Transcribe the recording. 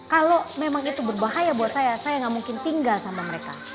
kalau memang itu berbahaya buat saya saya nggak mungkin tinggal sama mereka